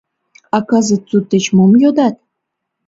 А кызыт туддеч мом йодат?